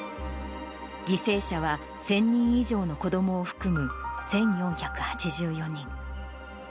犠牲者は、１０００人以上の子どもを含む１４８４人。